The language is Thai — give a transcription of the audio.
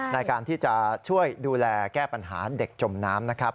ในการที่จะช่วยดูแลแก้ปัญหาเด็กจมน้ำนะครับ